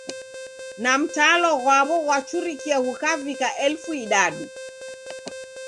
Na mtalo ghwaw'o ghwachurikie ghukavika elfu idadu.